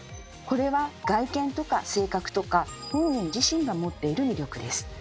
これは外見とか性格とか本人自身が持っている魅力です。